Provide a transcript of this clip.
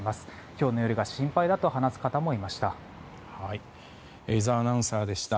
今日の夜が心配だと話す方もいました。